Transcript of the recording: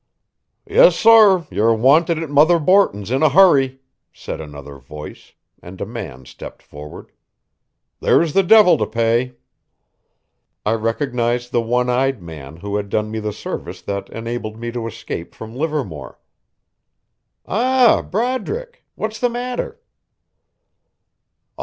"Yes, sor, you're wanted at Mother Borton's in a hurry," said another voice, and a man stepped forward. "There's the divil to pay!" I recognized the one eyed man who had done me the service that enabled me to escape from Livermore. "Ah, Broderick, what's the matter?"